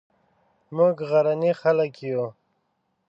موږ غرني خلک یو